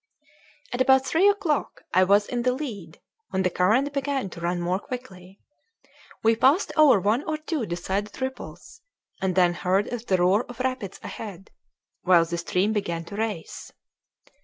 At about three o'clock I was in the lead, when the current began to run more quickly. We passed over one or two decided ripples, and then heard the roar of rapids ahead, while the stream began to race.